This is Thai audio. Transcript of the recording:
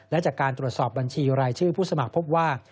และจากการตรวจสอบบัญชีรายชื่อผู้สมัครพบว่า